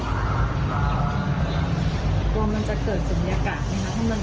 กลัวมันจะเกิดศูนยากาศไหมคะ